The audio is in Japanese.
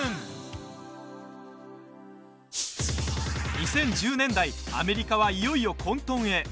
２０１０年代アメリカはいよいよ混とんへ。